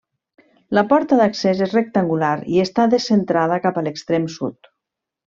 La porta d'accés és rectangular i està descentrada cap a l'extrem sud.